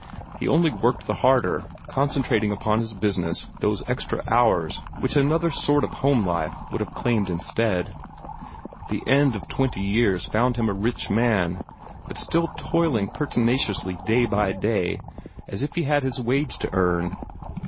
He only worked the harder, concentrating upon his business those extra hours which another sort of home life would have claimed instead. The end of twenty years found him a rich man, but still toiling pertinaciously day by day, as if he had his wage to earn.